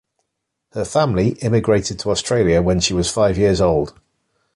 Her family immigrated to Australia when she was five years old.